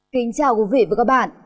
kính chào quý vị và các bạn